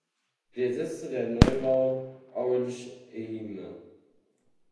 Sie ersetzte der Neubau "Orange Ehime".